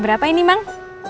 berapa ini mang